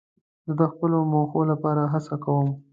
زه د خپلو موخو لپاره هڅه کوم.